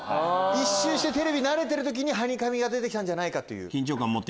一周してテレビに慣れてる時に「ハニカミ」が出たんじゃないかと。